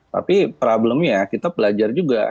tapi problemnya kita belajar juga